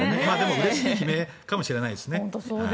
うれしい悲鳴かもしれませんね。